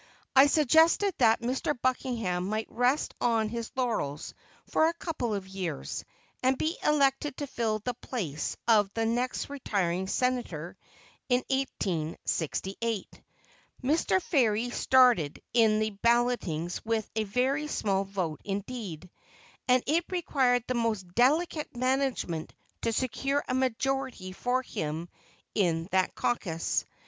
I suggested that Mr. Buckingham might rest on his laurels for a couple of years and be elected to fill the place of the next retiring senator in 1868. Mr. Ferry started in the ballotings with a very small vote indeed, and it required the most delicate management to secure a majority for him in that caucus.